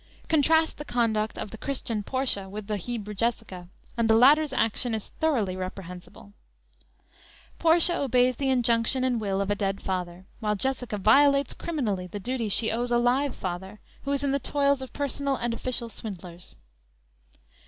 Contrast the conduct of the Christian Portia with the Hebrew Jessica, and the latter's action is thoroughly reprehensible. Portia obeys the injunction and will of a dead father, while Jessica violates criminally the duty she owes a live father, who is in the toils of personal and official swindlers.